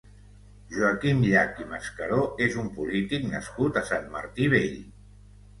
Joaquim Llach i Mascaró és un polític nascut a Sant Martí Vell.